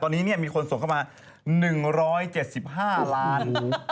ตอนนี้มีคนส่งเข้ามา๑๗๕ล้าน